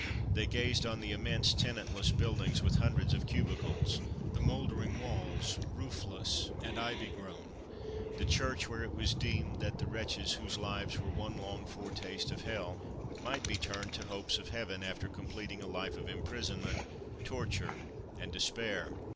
They gazed on the immense, tenantless buildings, with hundreds of cubicles, the mouldering walls, roofless and ivy grown, the church where it was deemed that the wretches whose lives were one long foretaste of hell, might be turned to hopes of Heaven, after completing a life of imprisonment, torture and despair.